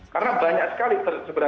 karena banyak sekali sebenarnya kalonik